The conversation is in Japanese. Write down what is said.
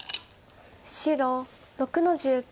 白６の十九。